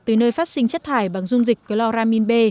từ nơi phát sinh chất thải bằng dung dịch chloramin b